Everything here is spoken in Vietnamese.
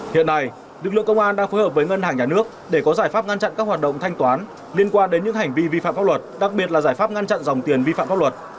hiện nay lực lượng công an đang phối hợp với ngân hàng nhà nước để có giải pháp ngăn chặn các hoạt động thanh toán liên quan đến những hành vi vi phạm pháp luật đặc biệt là giải pháp ngăn chặn dòng tiền vi phạm pháp luật